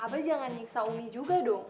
apa jangan nyiksa umi juga dong